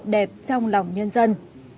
đẹp trong lòng nhân dân